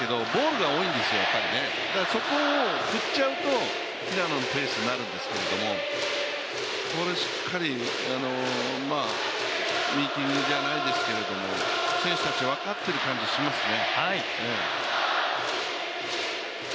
そこを振っちゃうと平野のペースになるんですけどこれ、しっかりミーティングじゃないですけど選手たち、分かっている感じがしますね。